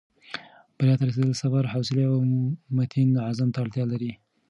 بریا ته رسېدل صبر، حوصلې او متین عزم ته اړتیا لري.